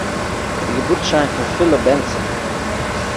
די געבורטס-שיין פון פיליפּ בענסאָן